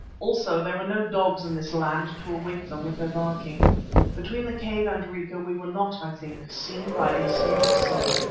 Also there were no dogs in this land to awake them with their barking. Between the cave and Rica we were not, I think, seen by a single soul.